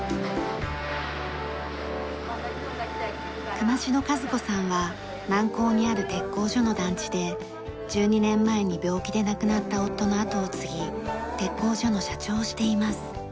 熊代和子さんは南港にある鉄工所の団地で１２年前に病気で亡くなった夫の後を継ぎ鉄工所の社長をしています。